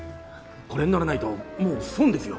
これに乗らないともう損ですよ！